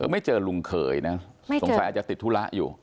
ไม่เจอลุงเขยนะสงสัยอาจจะติดธุระอยู่